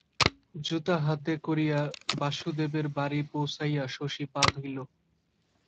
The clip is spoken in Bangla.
জুতা হাতে করিয়া বাসুদেবের বাড়ি পৌছিয়া শশী পা ধুইল।